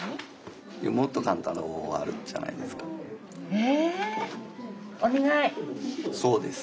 え？